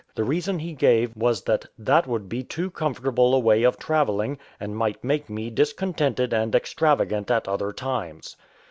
The reason he gave was that "that would be too comfortable a way of travelling, and might make me discontented and extravagant at other times.""